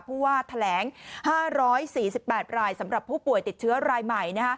ผู้ว่าแถลง๕๔๘รายสำหรับผู้ป่วยติดเชื้อรายใหม่